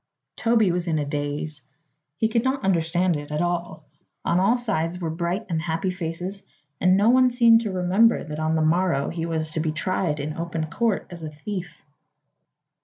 Toby was in a daze. He could not understand it at all. On all sides were bright and happy faces and no one seemed to remember that on the morrow he was to be tried in open court as a thief.